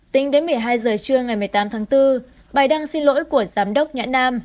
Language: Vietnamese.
tính đến một mươi hai giờ trưa ngày một mươi tám tháng bốn bài đăng xin lỗi của giám đốc nhã nam